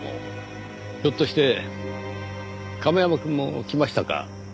ひょっとして亀山くんも来ましたか？